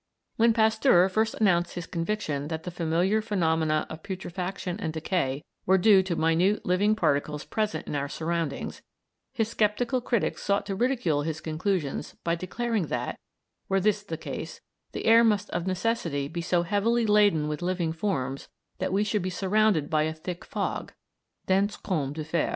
When Pasteur first announced his conviction that the familiar phenomena of putrefaction and decay were due to minute living particles present in our surroundings, his sceptical critics sought to ridicule his conclusions by declaring that, were this the case, the air must of necessity be so heavily laden with living forms that we should be surrounded by a thick fog "dense comme du fer."